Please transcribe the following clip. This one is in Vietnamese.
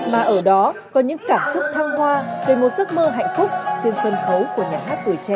mà ở đó có những cảm xúc thăng hoa về một giấc mơ hạnh phúc trên sân khấu của nhà hát tuổi trẻ